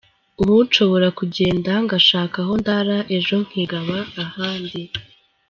Ubu nshobora kugenda ngashaka aho ndara ejo nkigaba ahandi.